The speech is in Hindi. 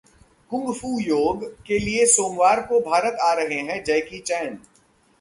'कुंग फू योग' के लिए सोमवार को भारत आ रहे हैं जैकी चैन